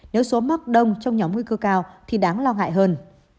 nếu số mắc đông trong nhóm nguy cơ cao thì đáng lo ngại hơn